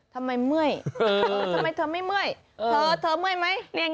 ทำไมเมื่อยทำไมเธอไม่เมื่อยเธอเธอเมื่อยไหม